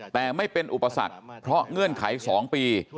แต่ไม่เป็นอุปสรรคเพราะเงื่อนไข๒ปี